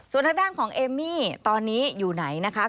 ส่วนทางด้านของเอมมี่ตอนนี้อยู่ไหนนะคะ